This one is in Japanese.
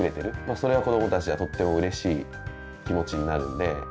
それは子どもたちはとってもうれしい気持ちになるんで。